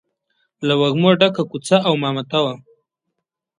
له وږمو ډکه کوڅه او مامته وه.